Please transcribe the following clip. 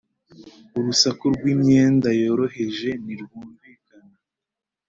urusaku rwimyenda yoroheje ntirwumvikana,